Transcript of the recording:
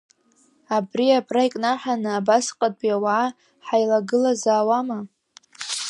Абри абра икнаҳаны, абасҟатәи ауаа ҳаилагылазаауама?!